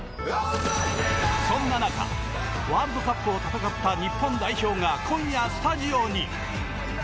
そんな中ワールドカップを戦った日本代表が今夜、スタジオに！